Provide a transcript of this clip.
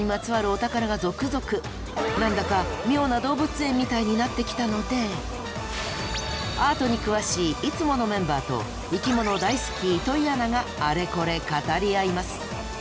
何だか妙な動物園みたいになってきたのでアートに詳しいいつものメンバーと生きもの大好き糸井アナがあれこれ語り合います。